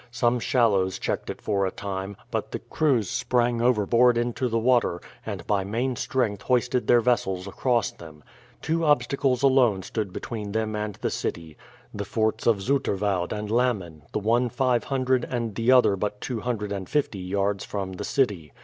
Some shallows checked it for a time, but the crews sprang overboard into the water, and by main strength hoisted their vessels across them. Two obstacles alone stood between them and the city the forts of Zoeterwoude and Lammen, the one five hundred, and the other but two hundred and fifty yards from the city.